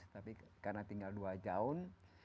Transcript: tapi karena tinggal dua tahun